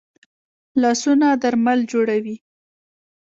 لاسونه درمل جوړوي